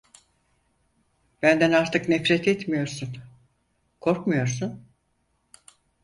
Benden artık nefret etmiyorsun, korkmuyorsun…